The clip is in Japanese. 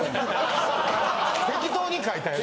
適当に書いたやつ。